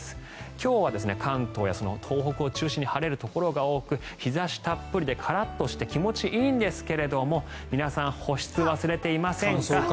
今日は関東や東北を中心に晴れるところが多く日差したっぷりでカラッとして気持ちがいいんですが皆さん保湿、忘れていませんか？